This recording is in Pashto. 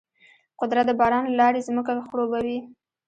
قدرت د باران له لارې ځمکه خړوبوي.